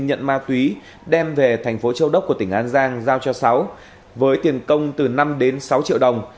nhận ma túy đem về thành phố châu đốc của tỉnh an giang giao cho sáu với tiền công từ năm đến sáu triệu đồng